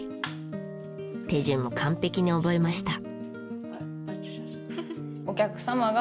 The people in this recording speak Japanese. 手順も完璧に覚えました。